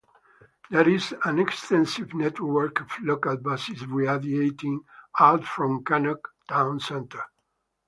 There is an extensive network of local buses radiating out from Cannock town centre.